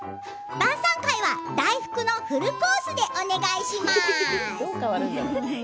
晩さん会は大福のフルコースでお願いします。